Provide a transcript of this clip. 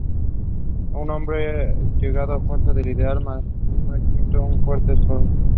Un hombre degollado refuerza la idea del martirio, exhibiendo un fuerte escorzo.